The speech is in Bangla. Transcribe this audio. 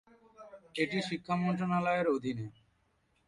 এটি শিক্ষা মন্ত্রনালয়ের অধীনে।